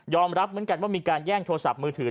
รับเหมือนกันว่ามีการแย่งโทรศัพท์มือถือ